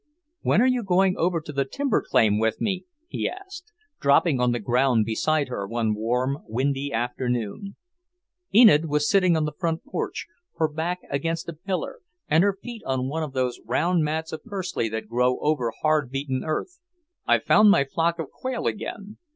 "When are you going over to the timber claim with me?" he asked, dropping on the ground beside her one warm, windy afternoon. Enid was sitting on the porch floor, her back against a pillar, and her feet on one of those round mats of pursley that grow over hard beaten earth. "I've found my flock of quail again.